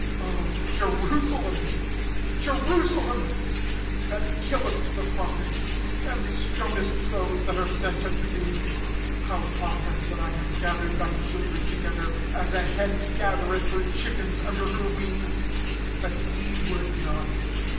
37 "O Jerusalem! Jerusa lem ! that killest the prophetS| and stonest those that are sent unto thee, how often would I have gathered thy children to gether, as a hen gathereth her chickens under her wings ; but ye would not